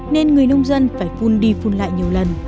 nên người nông dân phải phun đi phun lại nhiều lần